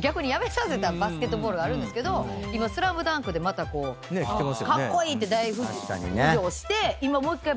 逆にやめさせたバスケットボールがあるんだけど今『ＳＬＡＭＤＵＮＫ』でまたカッコイイって大浮上して今もう１回。